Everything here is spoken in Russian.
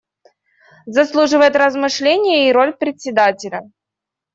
Заслуживает размышления и роль Председателя.